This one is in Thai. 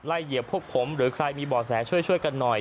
เหยียบพวกผมหรือใครมีบ่อแสช่วยกันหน่อย